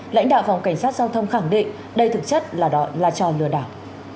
lãnh đạo phòng cảnh sát giao thông khẳng định đây thực chất là trò lừa đảo